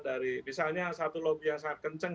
dari misalnya satu lobby yang sangat kenceng